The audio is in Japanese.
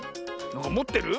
もってる？